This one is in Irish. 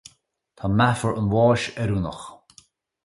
Tá meafar an bháis oiriúnach.